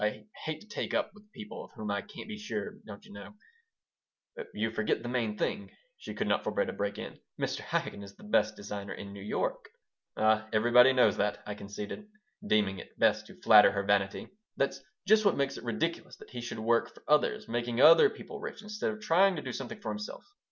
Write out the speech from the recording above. I hate to take up with people of whom I can't be sure, don't you know " "You forget the main thing," she could not forbear to break in. "Mr. Chaikin is the best designer in New York." "Everybody knows that," I conceded, deeming it best to flatter her vanity. "That's just what makes it ridiculous that he should work for others, make other people rich instead of trying to do something for himself.